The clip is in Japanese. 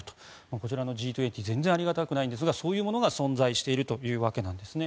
こちらのＧ２０は全然ありがたくないんですがそういうものが存在しているというわけなんですね。